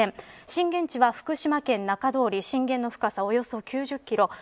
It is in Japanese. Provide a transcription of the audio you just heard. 震源地は福島県中通り震源の深さおよそ９０キロ。